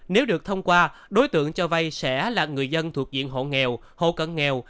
nếu được thông qua đối tượng cho vay sẽ là người dân thuộc diện hộ nghèo hộ cận nghèo